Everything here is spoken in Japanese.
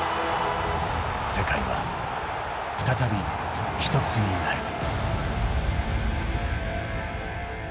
世界は再びひとつになる。